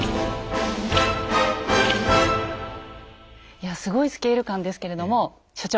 いやすごいスケール感ですけれども所長。